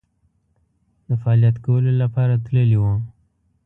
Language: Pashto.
د فعالیت کولو لپاره تللي وو.